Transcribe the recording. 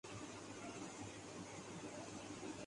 ہمیں دوپہر کے کھانےنکے پیسے نقد دینا پڑتے ہیں